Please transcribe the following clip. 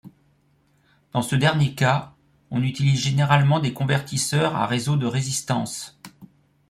Dans ce dernier cas, on utilise généralement des convertisseurs à réseau de résistances.